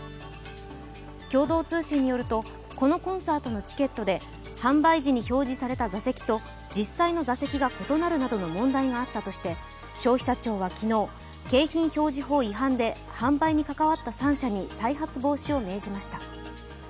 共同通信によるとこのコンサートのチケットで販売時に標示された座席と実際の座席が異なるなどの問題があったとして消費者庁は昨日、景品表示法違反で販売に関わった３社に再発防止を命じました。